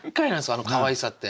あのかわいさって。